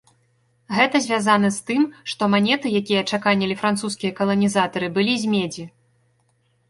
Гэта звязана з тым, што манеты, якія чаканілі французскія каланізатары, былі з медзі.